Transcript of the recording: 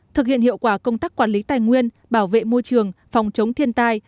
thực hiện hiệu quả công tác quản lý tài nguyên bảo vệ môi trường phòng chống thiên tai